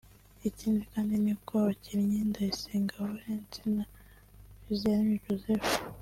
Ikindi kandi ni uko abakinnyi Ndayisenga Valens na Biziyaremye Joseph